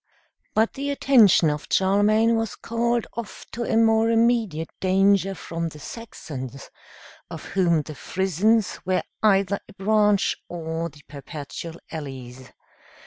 But the attention of Charlemagne was called off to a more immediate danger from the Saxons, of whom the Frisons were either a branch or the perpetual allies.